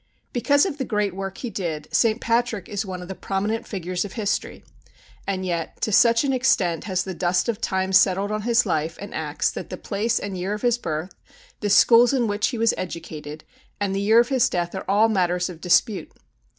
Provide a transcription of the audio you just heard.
Because of the great work he did, St. Patrick is one of the prominent figures of history; and yet, to such an extent has the dust of time settled down on his life and acts that the place and year of his birth, the schools in which he was educated, and the year of his death, are all matters of dispute.